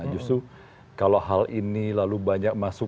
justru kalau hal ini lalu banyak mas bambang